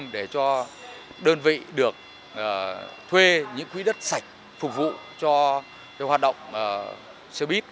để cho đơn vị được thuê những quỹ đất sạch phục vụ cho hoạt động xe buýt